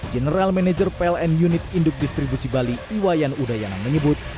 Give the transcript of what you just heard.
general manager pln unit induk distribusi bali iwayan udayana menyebut